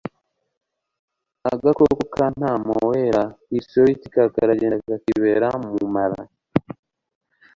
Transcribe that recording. agakoko k'antamoweba histolitika karagenda kakibera mu mara